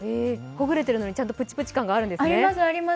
ほぐれているのに、ちゃんとプチプチ感があるんですね。